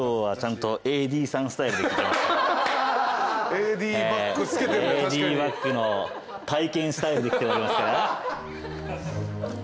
ＡＤバッグの体験スタイルで来ておりますから。